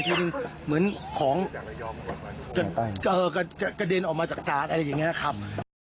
เป็นเหมือนของกระเด็นออกมาจากจานอะไรอย่างนี้ครับ